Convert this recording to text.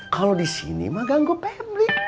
kalo disini mah ganggu pebri